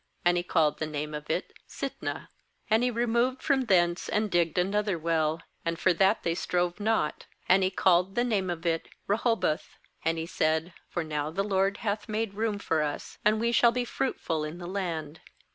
And he called the name of it aSitnah. ^And he removed from thence, and digged another well; and for that they strove not. And he called the name of it bRehoboth; and he said: 'For now the LORD hath made room for us, and we shall be fruitful in the land.'